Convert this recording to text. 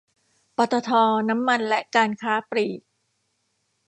ปตท น้ำมันและการค้าปลีก